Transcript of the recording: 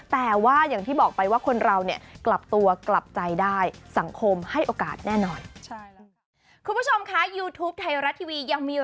แต่ว่าอย่างที่บอกไปว่าคนเราเนี่ยกลับตัวกลับใจได้สังคมให้โอกาสแน่นอน